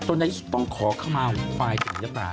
ตอนนี้ต้องขอเข้ามาเอาควายเป็นยังไง